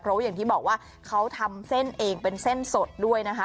เพราะว่าอย่างที่บอกว่าเขาทำเส้นเองเป็นเส้นสดด้วยนะคะ